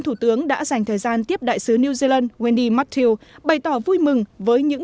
thủ tướng đã dành thời gian tiếp đại sứ new zealand wendy mathieu bày tỏ vui mừng với những